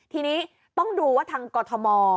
ทีนี้ต้องดูว่าทางกรทม